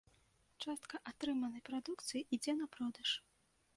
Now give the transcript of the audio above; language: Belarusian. Частка атрыманай прадукцыі ідзе на продаж.